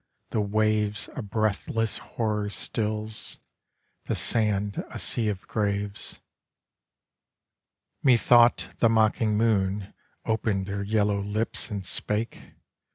The waves A breathless horror stills; The sand, a sea of graves. Methought the mocking Moon Open'd her yellow lips And spake.